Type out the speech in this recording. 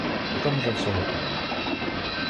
Та там уже все готове.